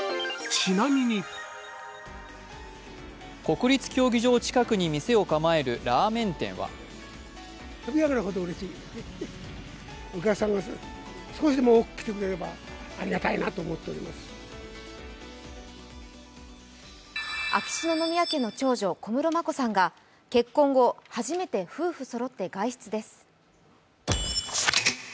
国立競技場近くに店を構えるラーメン店は秋篠宮家の長女小室眞子さんが結婚後、初めて夫婦そろって外出です。